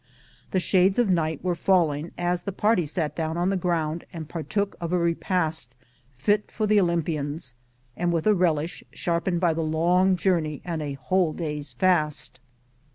The shades of night were falling as the party sat down on the ground and partook of a repast fit for the Olym pians, and with a relish sharpened by the long journey and a whole day's fast.